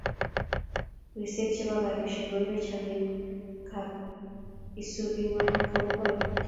Wiseek che bo karishe koibe chamee kab isubii nng ngony komugul.